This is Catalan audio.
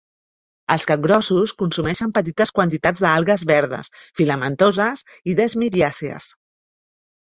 Els capgrossos consumeixen petites quantitats d'algues verdes filamentoses i desmidiàcies.